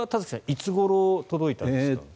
いつごろ届いたんですか？